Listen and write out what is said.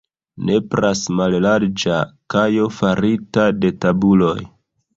Nepras mallarĝa kajo farita de tabuloj.